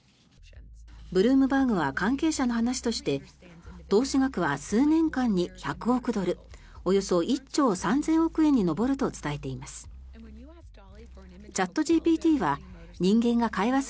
ブルームバーグは関係者の話として投資額は数年間に１００億ドルおよそ１兆３０００億円に上ると伝えています。